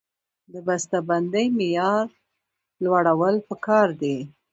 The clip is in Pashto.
د بسته بندۍ معیار لوړول پکار دي